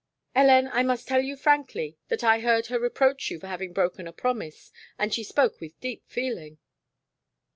Hélène, I must tell you frankly that I heard her reproach you for having broken a promise, and she spoke with deep feeling."